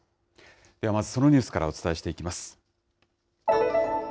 ではまずそのニュースからお伝えしていきます。